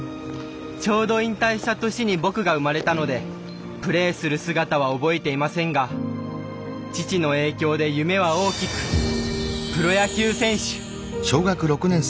ちょうど引退した年に僕が生まれたのでプレーする姿は覚えていませんが父の影響で夢は大きくプロ野球選手。